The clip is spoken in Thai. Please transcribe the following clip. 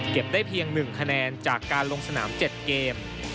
ได้เพียง๑คะแนนจากการลงสนาม๗เกม